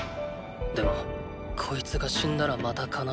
でもこいつが死んだらまた悲しくなる。